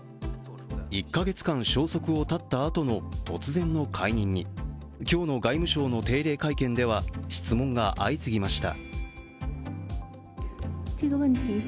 １か月間、消息を絶った後の突然の解任に、今日の外務省の定例会見では質問が相次ぎました。